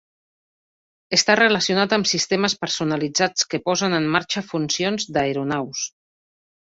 Està relacionat amb sistemes personalitzats que posen en marxa funcions d'aeronaus.